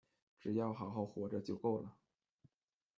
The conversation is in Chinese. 只要好好活着就够了